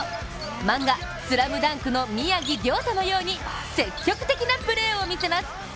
漫画「ＳＬＡＭＤＵＮＫ」の宮城リョータのように積極的なプレーを見せます。